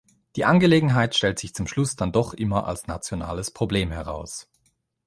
Die Angelegenheit stellt sich zum Schluss dann doch immer als nationales Problem heraus.